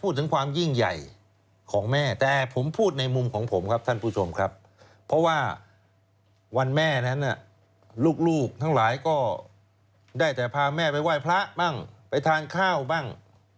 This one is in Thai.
พูดถึงความยิ่งใหญ่ของแม่แต่ผมพูดในมุมของผมครับท่านผู้ชมครับเพราะว่าวันแม่นั้นลูกทั้งหลายก็ได้แต่พาแม่ไปไหว้พระบ้างไปทานข้าวบ้าง